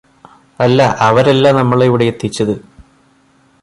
അല്ല അവരല്ല നമ്മളെ ഇവിടെയെത്തിച്ചത്